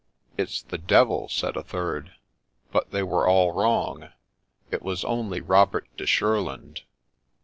' It' s the devil,' said a third. But they were all wrong ; it was only Robert de Shurland.